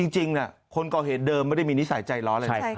จริงคนก่อเหตุเดิมไม่ได้มีนิสัยใจร้อนเลยนะ